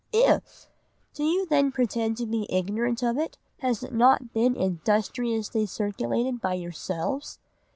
"'If! Do you then pretend to be ignorant of it? Has it not been industriously circulated by yourselves?